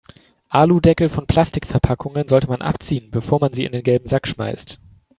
Aludeckel von Plastikverpackungen sollte man abziehen, bevor man sie in den gelben Sack schmeißt.